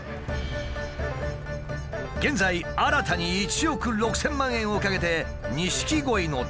現在新たに１億６，０００万円をかけて錦鯉の展示場を建設中。